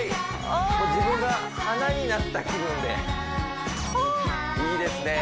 自分が花になった気分でほおいいですね